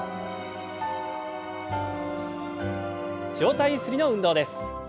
上体ゆすりの運動です。